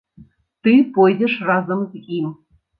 Ты пойдзеш разам з ім.